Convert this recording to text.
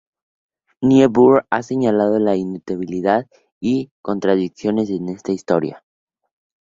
Niebuhr ha señalado la inutilidad y contradicciones en esta historia.